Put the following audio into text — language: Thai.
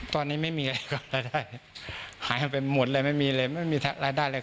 ตอนนี้ไม่มีอะไรก็รายได้หายไปหมดเลยไม่มีเลยไม่มีรายได้เลย